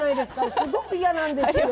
すごく嫌なんです。